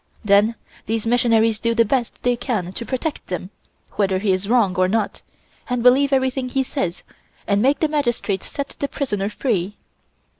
Then these missionaries do the best they can to protect him, whether he is wrong or not, and believe everything he says and make the magistrate set the prisoner free.